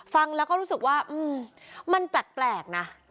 ฟังแล้วก็รู้สึกว่ามันแปลกนะ